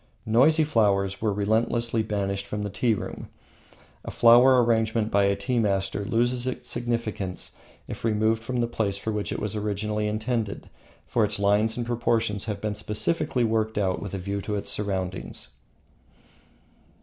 "Noisy" flowers were relentlessly banished from the tea room. A flower arrangement by a tea master loses its significance if removed from the place for which it was originally intended, for its lines and proportions have been specially worked out with a view to its surroundings.